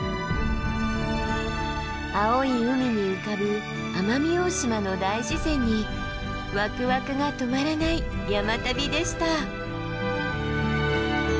青い海に浮かぶ奄美大島の大自然にワクワクが止まらない山旅でした。